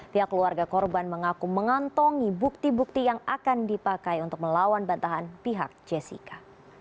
pihak keluarga korban mengaku mengantongi bukti bukti yang akan dipakai untuk melawan bantahan pihak jessica